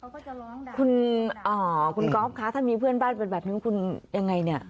เขาก็จะร้องนะคุณก๊อฟคะถ้ามีเพื่อนบ้านเป็นแบบนี้คุณยังไงเนี่ย